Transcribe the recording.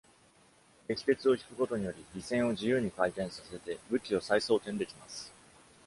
撃鉄を引くことにより、尾栓を自由に回転させて武器を再装てんできます。